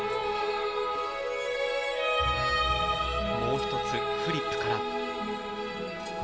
もう１つフリップから。